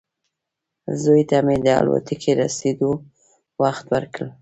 زوی ته مې د الوتکې رسېدو وخت ورکړ.